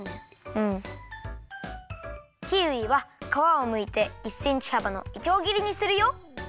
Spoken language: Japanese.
キウイはかわをむいて１センチはばのいちょうぎりにするよ。